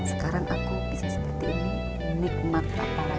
sekarang aku bisa seperti ini nikmat apa lagi